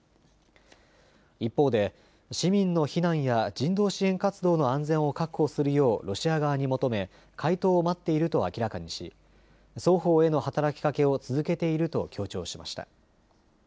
一方で市民の避難や人道支援活動の安全を確保するようロシア側に求め回答を待っていると明らかにし双方への働きかけを続けていると強調しました。